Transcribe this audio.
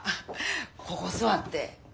ここ座って。